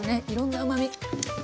いろんなうまみ。